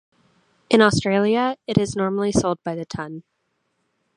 In Australia, it is normally sold by the tonne.